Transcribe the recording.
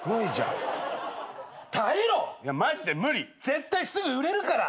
絶対すぐ売れるから。